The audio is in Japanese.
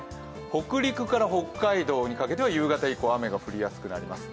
北陸から北海道にかけては夕方以降、雨が降りやすくなります